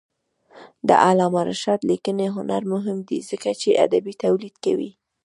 د علامه رشاد لیکنی هنر مهم دی ځکه چې ادبي تولید کوي.